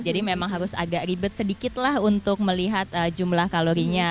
jadi memang harus agak ribet sedikit lah untuk melihat jumlah kalorinya